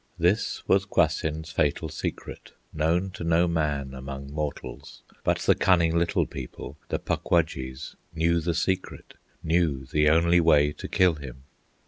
This was Kwasind's fatal secret, Known to no man among mortals; But the cunning Little People, The Puk Wudjies, knew the secret, Knew the only way to kill him.